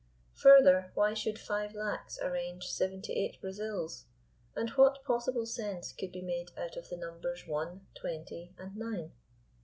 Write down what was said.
Further, why should five lacs arrange seventy eight Brazils? And what possible sense could be made out of the numbers one twenty and nine?